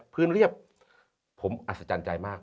เรียบผมอัศจรรย์ใจมาก